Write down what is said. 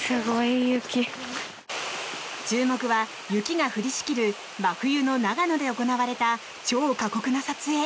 注目は、雪が降りしきる真冬の長野で行われた超過酷な撮影。